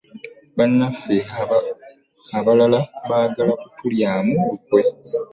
Bannaffe abalala baagala kutulyamu lukwe.